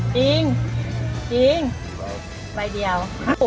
จริงจริงใบเดียว